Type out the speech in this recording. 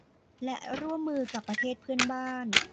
และร่วมมือกับประเทศเพื่อนบ้าน